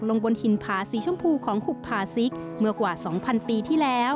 ลงบนหินผาสีชมพูของหุบพาซิกเมื่อกว่า๒๐๐ปีที่แล้ว